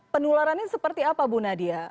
penularannya seperti apa bu nadia